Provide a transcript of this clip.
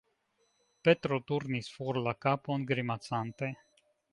Petro turnis for la kapon, grimacante.